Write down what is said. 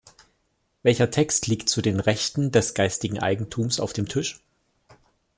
Welcher Text liegt zu den Rechten des geistigen Eigentums auf dem Tisch?